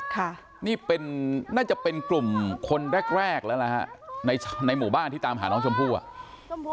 ค่ะนี่เป็นน่าจะเป็นกลุ่มคนแรกแรกแล้วนะฮะในในหมู่บ้านที่ตามหาน้องชมพู่อ่ะ